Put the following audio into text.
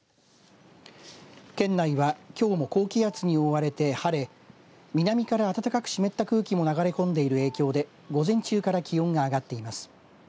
県内はきょうも高気圧に覆われて晴れ南から暖かく湿った空気も流れ込んでいる影響で午前中から気温が上がっています。